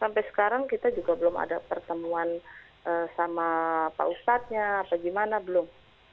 sampai sekarang kita juga belum ada pertemuan sama pak ustadznya apa gimana belum